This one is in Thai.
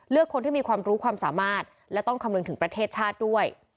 คนที่มีความรู้ความสามารถและต้องคำนึงถึงประเทศชาติด้วย